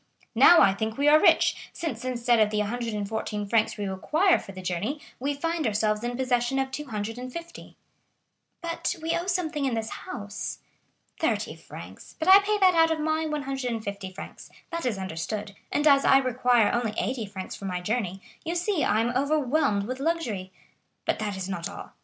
Now I think we are rich, since instead of the 114 francs we require for the journey we find ourselves in possession of 250." "But we owe something in this house?" "Thirty francs; but I pay that out of my 150 francs,—that is understood,—and as I require only eighty francs for my journey, you see I am overwhelmed with luxury. But that is not all.